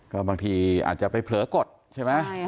ก็บางทีอาจจะไปเผลอกดใช่ไหม